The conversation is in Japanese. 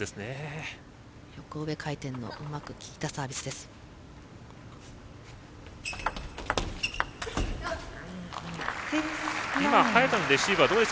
横上回転のうまくきいたサービスです。